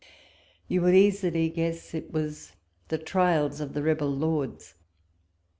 You will easily guess it was the Trials of the rebel Lords.